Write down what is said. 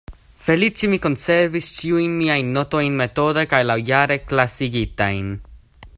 Feliĉe mi konservis ĉiujn miajn notojn metode kaj laŭjare klasigitajn.